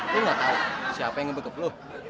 gua gak tau siapa yang ngebekep lu